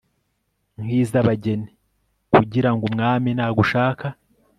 nk'iz'abageni kugira ngo umwami nagushaka